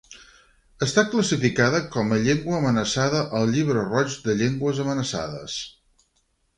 Està classificada com a llengua amenaçada al Llibre Roig de Llengües Amenaçades.